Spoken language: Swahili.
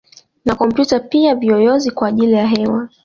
Na kompyuta pia viyoyozi kwa ajili ya hewa